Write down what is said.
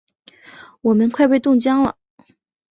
我们快被冻僵了！